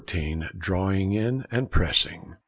DRAWING IN AND PRESSING.